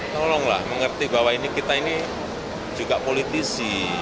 tolonglah mengerti bahwa ini kita ini juga politisi